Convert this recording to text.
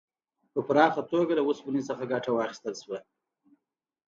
په پراخه توګه له اوسپنې څخه ګټه واخیستل شوه.